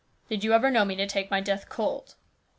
" Did you ever know me to take my death cold